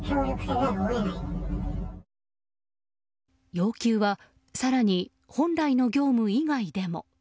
要求は、更に本来の業務以外でも。